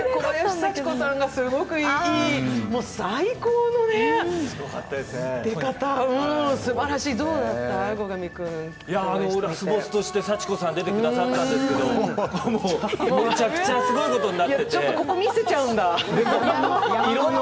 幸子さんが出てくださったんですけど、むちゃくちゃすごいことになってて、ここ見せちゃうんだ。